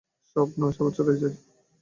স্বপ্ন আসে, আবার চলিয়া যায়।